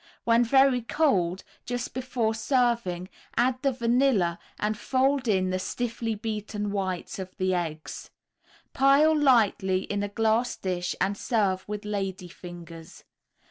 When very cold, just before serving, add the vanilla and fold in the stiffly beaten whites of the eggs. Pile lightly in a glass dish and serve with lady fingers.